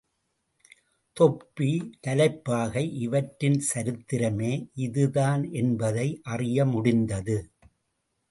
தொப்பி, தலைப்பாகை இவற்றின் சரித்திரமே இதுதான் என்பதை அறியமுடிந்தது.